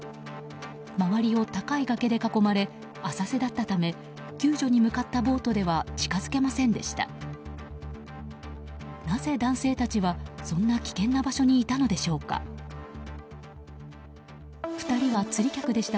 周りを高い崖で囲まれ浅瀬だったため救助に向かったボートでは近づけませんでした。